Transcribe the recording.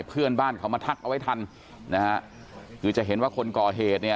เพื่อนบ้านเขามาทักเอาไว้ทันนะฮะคือจะเห็นว่าคนก่อเหตุเนี่ย